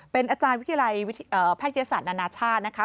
เป็นอาจารย์วิทยาลัยแพทยศาสตร์นานาชาตินะคะ